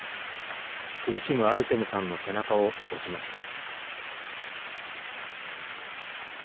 苦しむアルテムさんの背中を押しました。